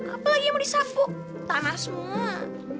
apa lagi yang mau disampu tanasmu